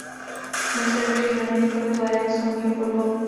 Dnes je rozšířeno několik variant slovního fotbalu.